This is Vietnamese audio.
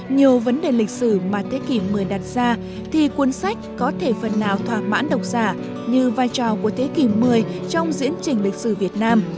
nhiều vấn đề lịch sử mà thế kỷ x đặt ra thì cuốn sách có thể phần nào thoảng mãn độc giả như vai trò của thế kỷ x trong diễn trình lịch sử việt nam